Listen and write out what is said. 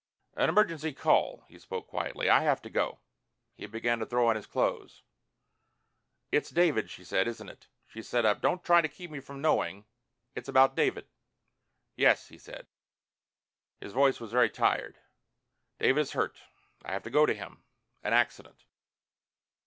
"An emergency call." He spoke quietly. "I have to go." He began to throw on his clothes. "It's David," she said. "Isn't it?" She sat up. "Don't try to keep me from knowing. It's about David." "Yes," he said. His voice was very tired. "David is hurt. I have to go to him. An accident."